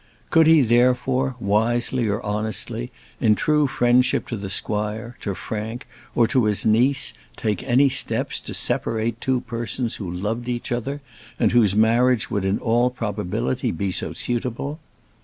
Could he, therefore, wisely or honestly, in true friendship to the squire, to Frank, or to his niece, take any steps to separate two persons who loved each other, and whose marriage would in all human probability be so suitable?